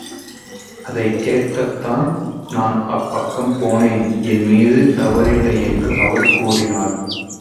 அதைக் கேட்கத்தான் நான் அப்பக்கம் போனேன் என்மீது தவறில்லை என்று அவள் கூறினாள்.